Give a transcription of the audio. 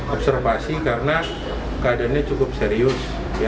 observasi karena keadaannya cukup serius